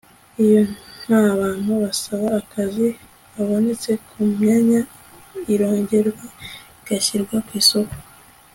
iyo nta bantu basaba akazi babonetse ku myanya, irongerwa igashyirwa ku isoko